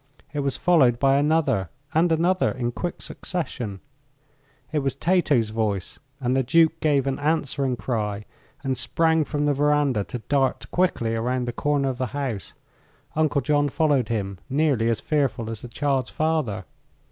It was followed by another, and another, in quick succession. It was Tato's voice, and the duke gave an answering cry and sprang from the veranda to dart quickly around the corner of the house. Uncle John followed him, nearly as fearful as the child's father.